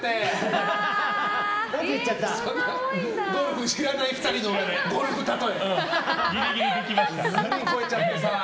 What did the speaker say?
ゴルフ知らない２人のゴルフ例え。